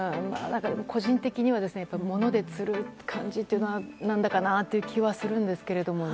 個人的には物で釣る感じというのは何だかなという気はするんですけどね。